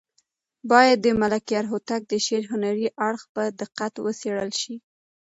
باید د ملکیار هوتک د شعر هنري اړخ په دقت وڅېړل شي.